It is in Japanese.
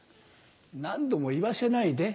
何度も言わせないで。